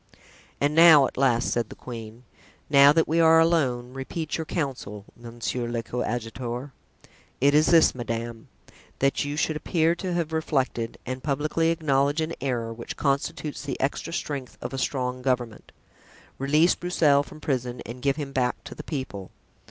"And now," at last said the queen, "now that we are alone, repeat your counsel, monsieur le coadjuteur." "It is this, madame: that you should appear to have reflected, and publicly acknowledge an error, which constitutes the extra strength of a strong government; release Broussel from prison and give him back to the people."